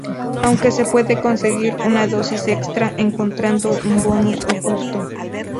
Aunque se puede conseguir una "dosis extra" encontrando un bonus oculto.